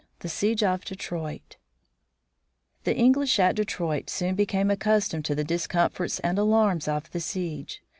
THE SIEGE OF DETROIT The English at Detroit soon became accustomed to the discomforts and alarms of the siege.